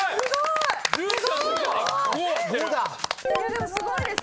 いやでもすごいです。